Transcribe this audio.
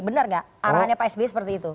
benar nggak arahannya pak sby seperti itu